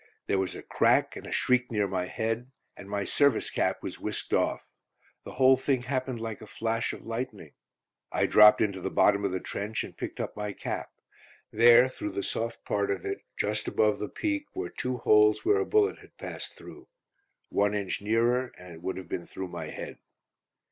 There was a crack, and a shriek near my head, and my service cap was whisked off. The whole thing happened like a flash of lightning. I dropped into the bottom of the trench and picked up my cap. There, through the soft part of it, just above the peak, were two holes where a bullet had passed through. One inch nearer and it would have been through my head.